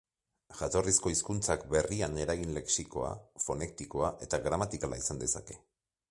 Jatorrizko hizkuntzak berrian eragin lexikoa, fonetikoa eta gramatikala izan dezake.